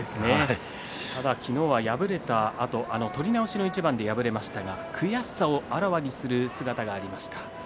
昨日は敗れたあと取り直しの一番で敗れましたが悔しさをあらわにする姿がありました。